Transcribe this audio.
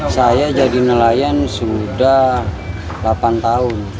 saya jadi nelayan sudah delapan tahun